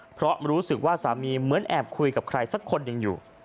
เพราะรู้สึกว่าสามีเหมือนแอบคุยกับใครสักคนหนึ่งอยู่